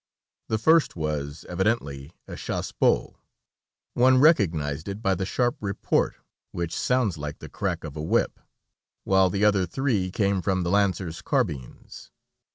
The first was evidently a chassepot; one recognized it by the sharp report, which sounds like the crack of a whip, while the other three came from the lancers' carbines.